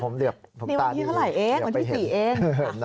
เดี๋ยววันที่เท่าไหร่เองวันที่๔เอง